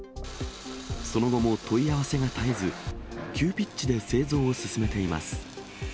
その後も問い合わせが絶えず、急ピッチで製造を進めています。